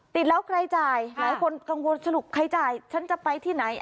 ติดแล้วใครจ่ายหลายคนกังวลสรุปใครจ่ายฉันจะไปที่ไหน